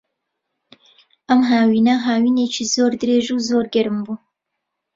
ئەم هاوینە، هاوینێکی زۆر درێژ و زۆر گەرم بوو.